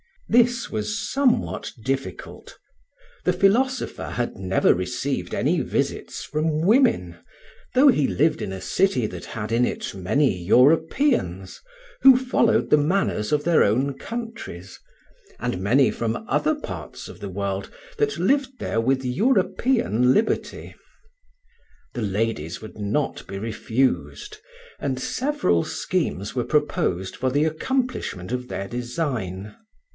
This was somewhat difficult. The philosopher had never received any visits from women, though he lived in a city that had in it many Europeans, who followed the manners of their own countries, and many from other parts of the world, that lived there with European liberty. The ladies would not be refused, and several schemes were proposed for the accomplishment of their design.